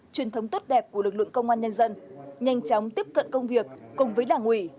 truyền thống tốt đẹp của lực lượng công an nhân dân nhanh chóng tiếp cận công việc cùng với đảng ủy